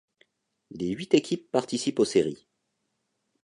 Les huit équipes participent aux séries.